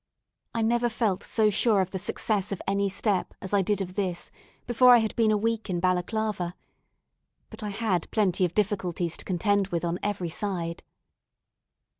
I never felt so sure of the success of any step as I did of this, before I had been a week in Balaclava. But I had plenty of difficulties to contend with on every side.